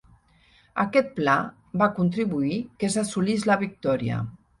Aquest pla va contribuir que s'assolís la victòria.